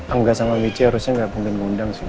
amga sama mici harusnya gak mungkin mengundang sih